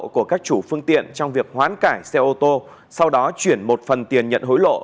của các chủ phương tiện trong việc hoán cải xe ô tô sau đó chuyển một phần tiền nhận hối lộ